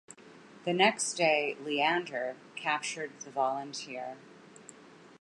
The next day "Leander" captured the "Volunteer".